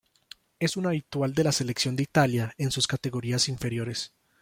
Es un habitual de la selección de Italia en sus categorías inferiores.